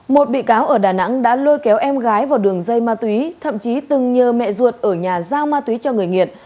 một bị cáo ở đà nẵng đã lôi kéo em gái vào đường dây ma túy thậm chí từng nhờ mẹ ruột ở nhà giao ma túy cho người nghiện